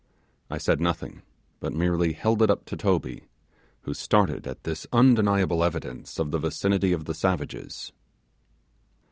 I said nothing, but merely held it up to Toby, who started at this undeniable evidence of the vicinity of the savages.